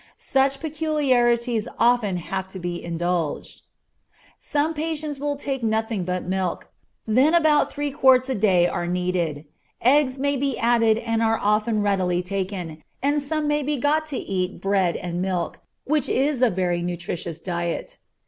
Such peculiarities often have to be indulged. Some patients will take nothing but milk, then about three quarts a day are needed; eggs may be added and are often readily taken, and some may be got to eat bread and milk, which is a very nutritious diet.